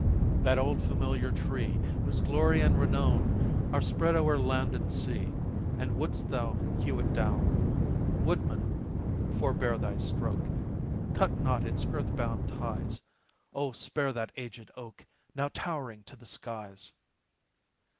That old familiar tree, Whose glory and renown Are spread o'er land and sea And wouldst thou hew it down? Woodman, forbear thy stroke! Cut not its earth bound ties; Oh, spare that aged oak, Now towering to the skies!